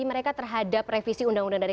mereka terhadap revisi undang undang dari